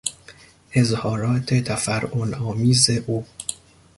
اظهارات تفرعن آمیز او